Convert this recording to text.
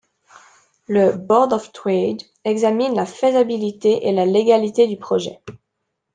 Le Board of Trade examine la faisabilité et la légalité du projet.